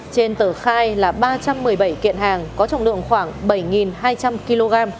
trên tờ khai là ba trăm một mươi bảy kiện hàng có trọng lượng khoảng bảy hai trăm linh kg